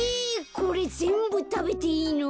これぜんぶたべていいの？